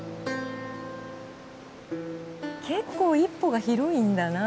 結構１歩が広いんだなぁ。